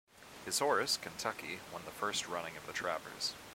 His horse, Kentucky, won the first running of the Travers.